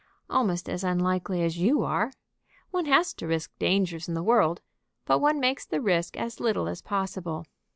"Almost as unlikely as you are. One has to risk dangers in the world, but one makes the risk as little as possible.